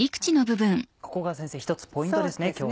ここが先生一つポイントですね